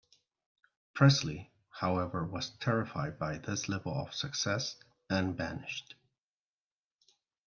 Presley, however, was terrified by this level of success and vanished.